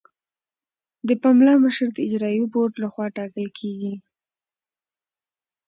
د پملا مشر د اجرایوي بورډ لخوا ټاکل کیږي.